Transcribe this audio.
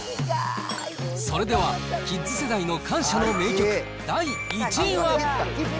それでは、キッズ世代の感謝の名曲第１位は。